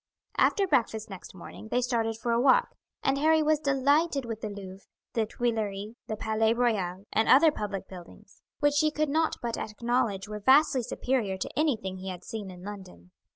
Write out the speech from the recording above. After breakfast next morning they started for a walk, and Harry was delighted with the Louvre, the Tuileries, the Palais Royal, and other public buildings, which he could not but acknowledge were vastly superior to anything he had seen in London.